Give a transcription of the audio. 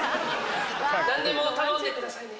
何でも頼んでくださいね。